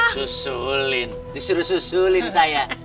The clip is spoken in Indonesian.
susulin disuruh susulin saya